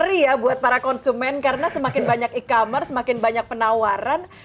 teri ya buat para konsumen karena semakin banyak e commerce semakin banyak penawaran